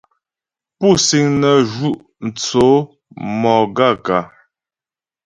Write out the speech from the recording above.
Pú síŋ nə́ zhʉ́ tsó mo gaə̂kə́ ?